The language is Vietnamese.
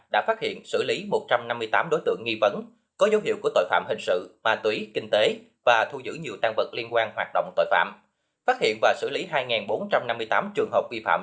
đã phát hiện xử lý một trăm năm mươi tám đối tượng nghi vấn có dấu hiệu của tội phạm hình sự ma túy kinh tế và thu giữ nhiều tăng vật liên quan hoạt động tội phạm